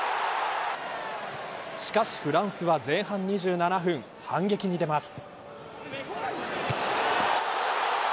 しかし、フランスは前半２７分、反撃に出ます。